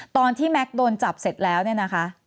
แม็กซ์โดนจับเสร็จแล้วเนี่ยนะคะ